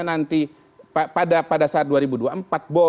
nanti pada saat dua ribu dua puluh empat